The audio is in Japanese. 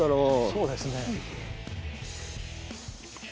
そうですね。